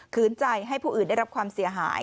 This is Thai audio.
คืนใจให้ผู้อื่นได้รับความเสียหาย